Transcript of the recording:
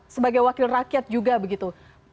sebagai wakil rakyat juga begitu